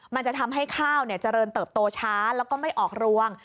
มันจะทำให้ข้าวเจริญเติบโตช้าแล้วก็ไม่ออกรวง